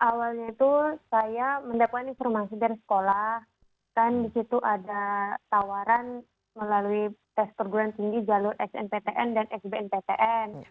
awalnya itu saya mendapatkan informasi dari sekolah dan di situ ada tawaran melalui tes perguruan tinggi jalur snptn dan sbnptn